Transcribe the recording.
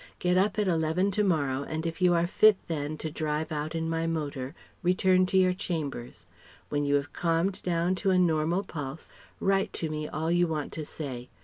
Get up at eleven to morrow and if you are fit then to drive out in my motor, return to your chambers. When you have calmed down to a normal pulse, write to me all you want to say.